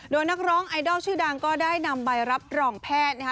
โดยนักร้องไอดอลชื่อดังก็ได้นำใบรับรองแพทย์นะคะ